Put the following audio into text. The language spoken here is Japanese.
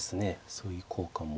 そういう効果も。